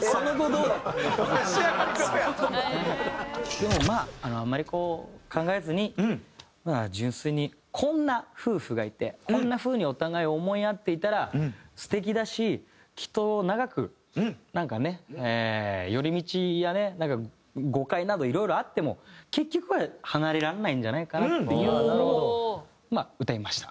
でもまああんまり考えずに純粋にこんな夫婦がいてこんな風にお互いを想い合っていたら素敵だしきっと長くなんかね寄り道やね誤解などいろいろあっても結局は離れられないんじゃないかっていうのを歌いました。